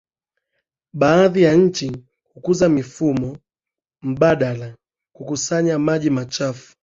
Baadhi ya nchi hukuza mifumo mbadala kukusanya maji machafu